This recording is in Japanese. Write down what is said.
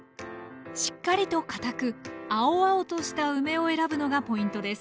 しっかりと堅く青々とした梅を選ぶのがポイントです。